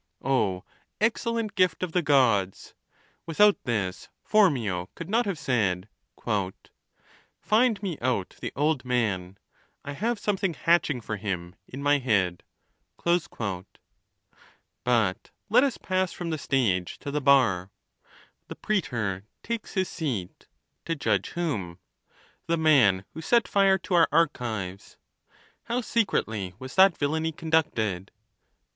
O excellent gift of the Gods ! With out this Phormio could not have said, Eind me out the old man : I have something hatching for him in my head. XXX. But let us pass from the stage to the bar. The prsetor' takes his seat. To judge whom? The man who set fire to our archives. How secretly was that villany conducted